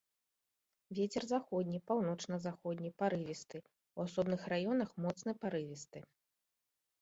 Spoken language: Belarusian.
Вецер заходні, паўночна-заходні парывісты, у асобных раёнах моцны парывісты.